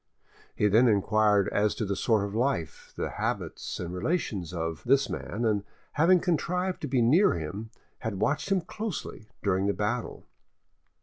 He then inquired as to the sort of life, the habits and relations of, this man, and having contrived to be near him, had watched him closely during the battle.